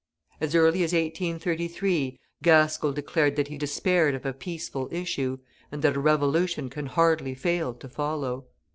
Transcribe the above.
As early as 1833, Gaskell declared that he despaired of a peaceful issue, and that a revolution can hardly fail to follow.